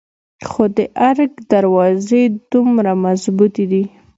خو د ارګ دروازې دومره مظبوتې دي.